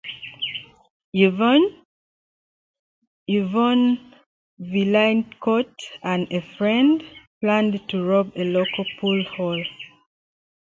Yvan Vaillancourt and a friend planned to rob a local pool hall.